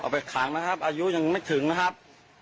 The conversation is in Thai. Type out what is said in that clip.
ไปขังนะครับอายุยังไม่ถึงนะครับ